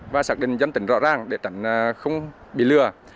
và xác định dân tỉnh rõ ràng để tránh không bị lừa